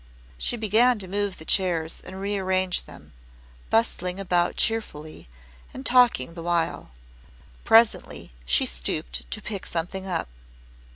She began to move the chairs and rearrange them, bustling about cheerfully and talking the while. Presently she stooped to pick something up.